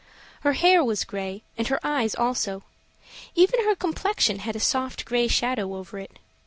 Her hair was gray, and her eyes also even her complexion had a soft gray shadow over it.